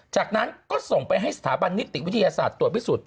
จากนั้นก็ส่งไปให้สถาบันนิติวิทยาศาสตร์ตรวจพิสูจน